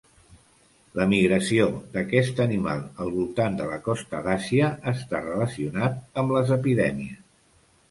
La migració d'aquest animal al voltant de la costa d'Àsia està relacionat amb les epidèmies.